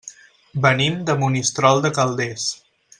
Venim de Monistrol de Calders.